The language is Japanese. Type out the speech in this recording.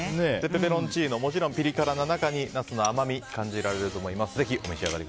ペペロンチーノのもちろんピリ辛な中にナスの甘みが感じられると思います。